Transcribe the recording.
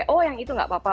oh yang itu tidak apa apa